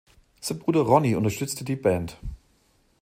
Sein Bruder Ronnie unterstützte die Band.